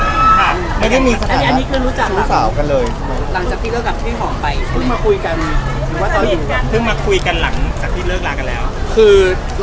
ไม่ได้มีสถานที่รู้จักกันเลย